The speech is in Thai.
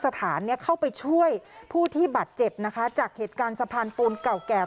สถานเข้าไปช่วยผู้ที่บาดเจ็บนะคะจากเหตุการณ์สะพานปูนเก่าแก่